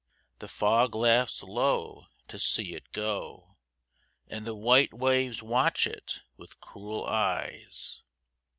The fog laughs low to see it go, And the white waves watch it with cruel eyes.